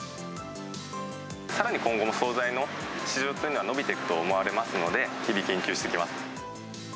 さらに今後も総菜の市場っていうのは伸びていくと思われますので、日々研究していきます。